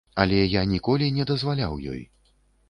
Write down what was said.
Але я ніколі не дазваляў ёй.